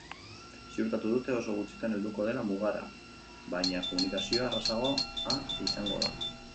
Ziurtatu dute oso gutxitan helduko dela mugara, baina komunikazioa errazagoa izango da.